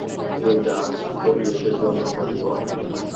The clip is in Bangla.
এ গাছ পরিবেশের জন্য ক্ষতিকর।